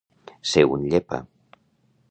Ser un llepa.